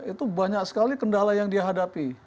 itu banyak sekali kendala yang dihadapi